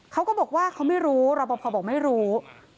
เขาก็บอกว่าเขาไม่รู้รอปภบอกไม่รู้